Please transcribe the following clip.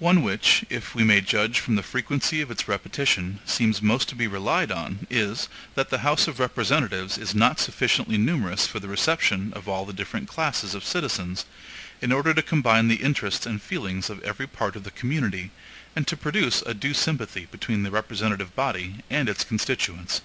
One which, if we may judge from the frequency of its repetition, seems most to be relied on, is, that the House of Representatives is not sufficiently numerous for the reception of all the different classes of citizens, in order to combine the interests and feelings of every part of the community, and to produce a due sympathy between the representative body and its constituents.